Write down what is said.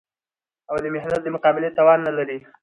او د محنت د مقابلې توان نه لري